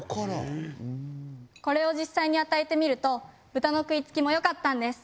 これを実際に与えてみると豚の食いつきもよかったんです。